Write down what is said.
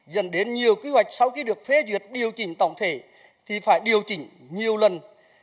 dẫn đến nhiều kế hoạch sau khi được phê duyệt điều chỉnh tổng thể thì phải điều chỉnh nhiều lần